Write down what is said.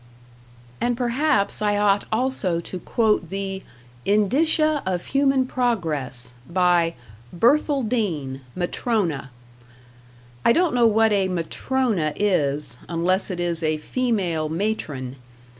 And perhaps I ought also to quote the "Indicia of Human Progress", by "Berthaldine, Matrona". I don't know what a "Matrona" is unless it is a female matron.